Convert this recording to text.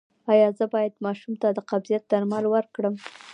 ایا زه باید ماشوم ته د قبضیت درمل ورکړم؟